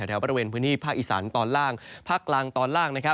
แถวบริเวณพื้นที่ภาคอีสานตอนล่างภาคกลางตอนล่าง